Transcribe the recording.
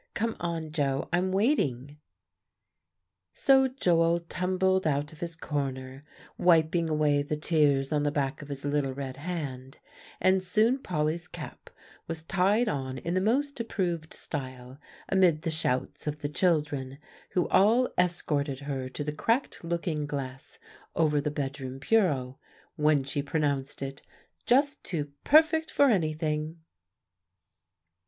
"Come on, Joe, I'm waiting." So Joel tumbled out of his corner, wiping away the tears on the back of his little red hand; and soon Polly's cap was tied on in the most approved style, amid the shouts of the children, who all escorted her to the cracked looking glass over the bedroom bureau, when she pronounced it "just too perfect for anything."